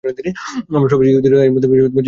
আমরা সবাই জানি, ইহুদিরা এরই মধ্যে জেরুজালেমে ফিরেছে।